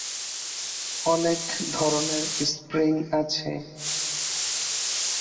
অনেক ধরনের স্প্রিং আছে।